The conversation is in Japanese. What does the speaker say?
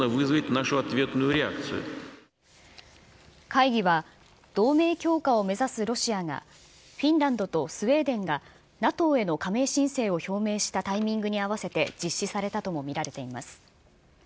会議は、同盟強化を目指すロシアが、フィンランドとスウェーデンがＮＡＴＯへの加盟申請を表明したタイミングに合わせて実施されたとも見られています。